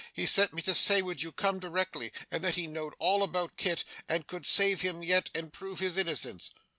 He sent me to say would you come directly, and that he knowed all about Kit, and could save him yet, and prove his innocence.